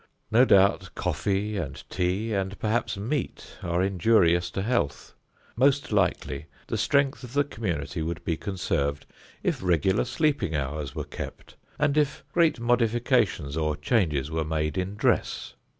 No doubt coffee and tea, and perhaps meat, are injurious to health. Most likely the strength of the community would be conserved if regular sleeping hours were kept and if great modifications or changes were made in dress.